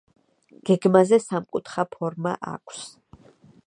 გეგმაზე სამკუთხა ფორმა აქვს.